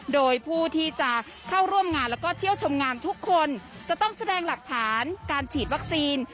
โดยผู้ที่จะเข้าร่วมงานแล้วก็เที่ยวชมงานทุกคนจะต้องแสดงหลักฐานการฉีดวัคซีน